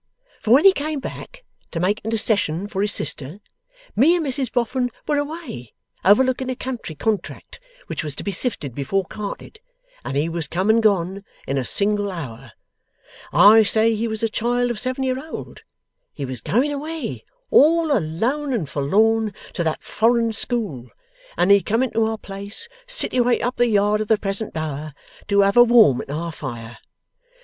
For when he came back to make intercession for his sister, me and Mrs Boffin were away overlooking a country contract which was to be sifted before carted, and he was come and gone in a single hour. I say he was a child of seven year old. He was going away, all alone and forlorn, to that foreign school, and he come into our place, situate up the yard of the present Bower, to have a warm at our fire.